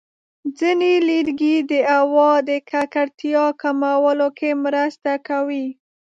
ځینې لرګي د هوا د ککړتیا کمولو کې مرسته کوي.